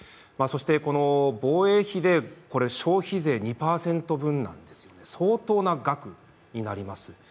この防衛費で消費税２％分なんですよね、相当な額になります。